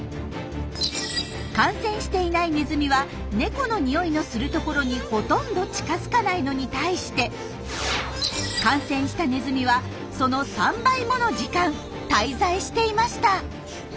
感染していないネズミはネコの匂いのするところにほとんど近づかないのに対して感染したネズミはその３倍もの時間滞在していました！